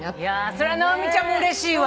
それは直美ちゃんもうれしいわ。